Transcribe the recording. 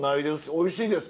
おいしいです。